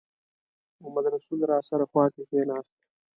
محمدرسول راسره خوا کې کېناست.